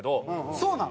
そうなの！